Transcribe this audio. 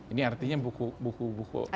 ini artinya buku buku anak kita